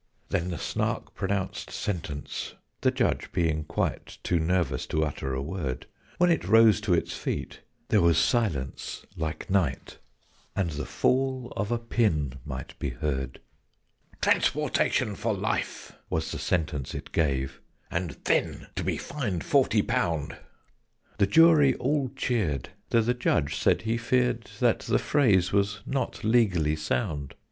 Then the Snark pronounced sentence, the Judge being quite Too nervous to utter a word: When it rose to its feet, there was silence like night, And the fall of a pin might be heard. "Transportation for life" was the sentence it gave, "And then to be fined forty pound." The Jury all cheered, though the Judge said he feared That the phrase was not legally sound.